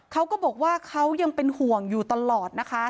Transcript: เขาก็บอกว่าเขายังเป็นห่วงอยู่ตลอดนะคะ